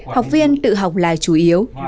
học viên tự học là chủ yếu